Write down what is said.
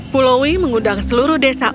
pulaui mengundang seluruh desa